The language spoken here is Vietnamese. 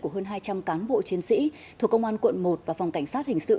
của hơn hai trăm linh cán bộ chiến sĩ thuộc công an quận một và phòng cảnh sát hình sự